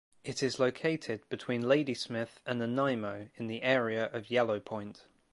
It is located between Ladysmith and Nanaimo in the area of Yellow Point.